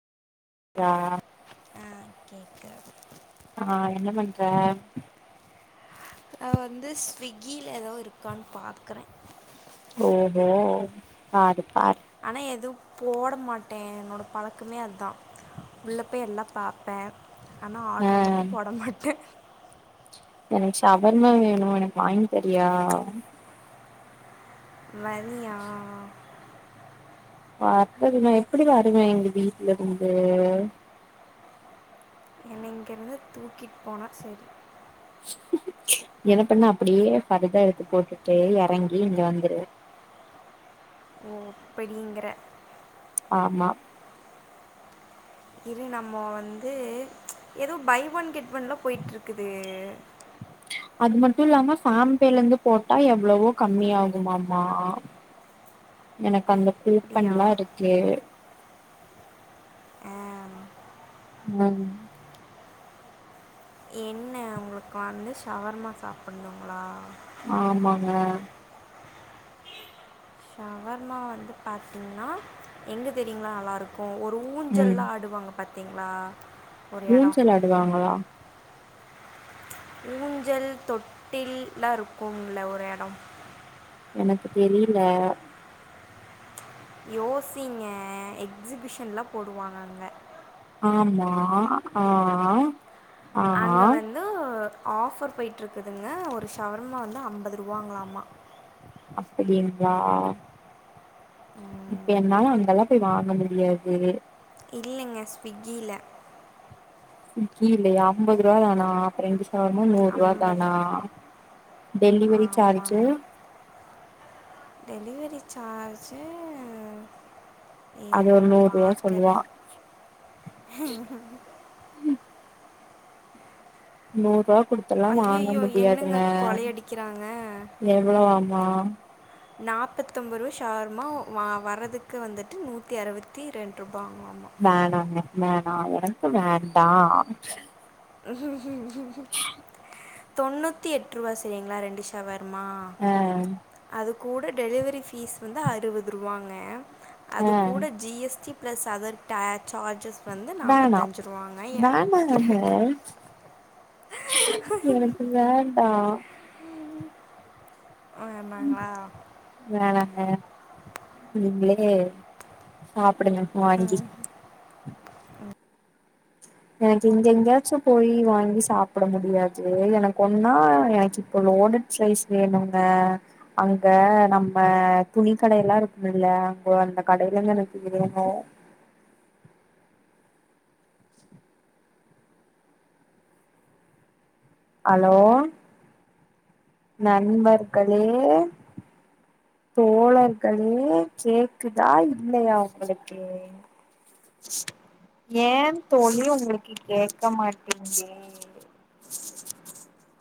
ஆ ஆ கேக்காது ஆ என்ன பண்ற நா வந்து ஸ்விக்கில ஏதோ இருக்கான்னு பாக்குறே ஓஹோ பாரு பாரு ஆனா எதுவும் போடா மாட்டே என்னோட பழக்கமே அதா உள்ள போய் எல்லா பாப்பே ஆனா ஆ ஆட்ரு மட்டு போட மாட்ட எனக்கு சவர்மா வேணு எனக்கு வாங்கி தரியா வரியா வர்றது நா எப்டி வருவ எங்க வீட்ல இருந்து என்னைய இங்க இருந்து தூக்கிட்டு போனா செரி என்னப் பண்ணா அப்டியே பர்தா எடுத்து போட்டுட்டு எறங்கி இங்க வந்துரு ஓ அப்டிங்கிற ஆமா இரு நம்மோ வந்து எதோ பை ஒன் கெட் ஒன்தா போய்ட்டுருக்குது அது மட்டு இல்லாம சேம்பேல இருந்து போட்டா எவ்ளவோ கம்மியாகுமாமா எனக்கு அந்த அப்படியா கூப்பன்லா இருக்கு ஆ மம் என்ன உங்களுக்கு வந்து ஷவர்மா சாப்புணுங்ளா ஆமாங்க ஷவர்மா வந்து பாத்தீங்கன்னா எங்கே தெரியுங்களா நல்லாருக் க்கு ஒரு ம் ஊஞ்சலா ஆடுவாங்க பாத்தீங்ளா ஊஞ்சல் ஆடுவாங்களா ஊஞ்சல் தொட்டில்லா இருக்குங்கள ஒரு எடோ எனக்கு தெரியல யோசிங்க எக்ஸிபிஷன்ல போடுவாங்க அங்க ஆமா ஆ ஆ அங்க வந்து ஆஃபர் போய்ட்டுருக்குதுங்க ஒரு ஷவர்மா வந்து அம்பது ரூவாங்களாமா அப்டிங்ளா ம், இப்ப என்னால அங்கலா போய் வாங்க முடியாது இல்லங்க ஸ்விக்கியில ஸ்விகில்லயா அம்பது ரூவா தானா அப்ப ரெண்டு சவர்மா நூறுவா ஐம்பது தானா டெலிவரி சார்ஜ் ஆமாங்க டெலிவரி சார்ஜு இருங்க அது நா ஒரு நூறு ரூபா பாக்குறே சொல்லுவா நூறுவா குடுத்தெல்லா வாங்க ஐயையோ! என்னங்க முடியாதுங்க கொலையடிக்கிறாங்க? எவ்ளோவாமா நாப்பத்தொம்போரூவா ஷவர்மா வா வர்ரதுக்கு வந்துட்டு நூத்தி அறுவத்தி ரெண்டு ரூபாங்களாமா வேணாங்க வேணா எனக்கு வேண்டான் தொண்ணூத்தி எட்ரூவா சரிங்ளா ரெண்டு ஷவர்மா ஆ அ அது கூட டெலிவரி ஃபீஸ் வந்து அறுவது ரூவாங்க அது ஆ கூட G S T plus other tax charges வந்து வேணா நாப்பத்தஞ்சு ரூவாங்க எரநத்தி வேணாங்க ரெண்ரூ எனக்கு வேண்டா வேணாங்களா வேணாங்க வேணாங் நீங்களே சாப்புடுங்க வாங்கி எனக்கு இங்க எங்கயாச்சும் போய் வாங்கி சாப்பட முடியாது எனக்கு ஒன்னா எனக்கு இப்போ லோடு ஸ்லைஸ் வேணுங்க அங்க நம்ம துணி கடைய எல்லா இருக்குமுல்ல அங்க அந்த கடையிலந்து எனக்கு வேணு ஹலோ நண்பர்களே தோழர்களே கேக்குதா இல்லையா உங்களுக்கு ஏ தோழி உங்களுக்கு கேட்க மாட்டீங்குதே